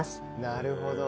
なるほど。